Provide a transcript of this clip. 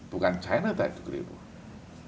bukan china yang ingin membuat perang